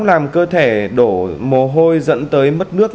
làm cơ thể đổ mồ hôi dẫn tới mất nước